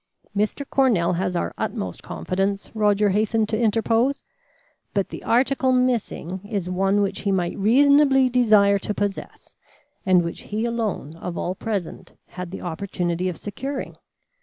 "Mr. Cornell has our utmost confidence," Roger hastened to interpose. "But the article missing is one which he might reasonably desire to possess and which he alone of all present had the opportunity of securing.